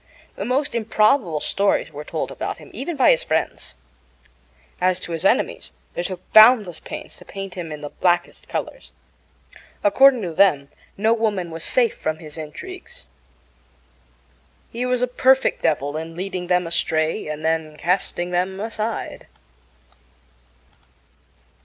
The most improbable stories were told about him, even by his friends. As to his enemies, they took boundless pains to paint him in the blackest colors. According to them, no woman was safe from his intrigues. He was a perfect devil in leading them astray and then casting them aside.